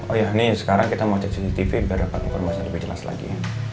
oh ya nih sekarang kita mau cek cctv biar dapat informasi lebih jelas lagi